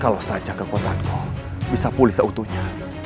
kalau saja kekuatanku bisa pulih seutuhnya